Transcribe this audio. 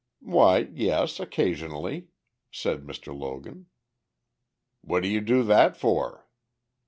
"Why, yes, occasionally," said Mr. Logan. "What do you do that for?"